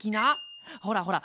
ほらほら